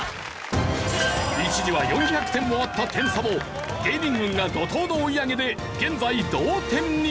一時は４００点もあった点差も芸人軍が怒濤の追い上げで現在同点に。